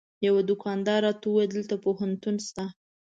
یوه دوکاندار راته وویل دلته پوهنتون شته.